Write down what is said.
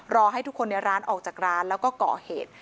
ให้ทุกคนในร้านออกจากร้านแล้วก็ก่อเหตุ